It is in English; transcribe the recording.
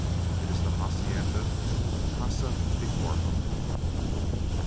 It is the hacienda of Casa del Corvo.